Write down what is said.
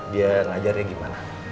dia ngajar yang gimana